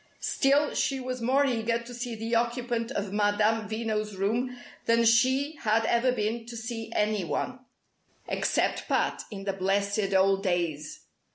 Still, she was more eager to see the occupant of Madame Veno's room than she had ever been to see any one except Pat, in the blessed old days.